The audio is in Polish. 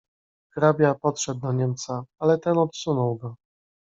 "Hrabia podszedł do niemca, ale ten odsunął go."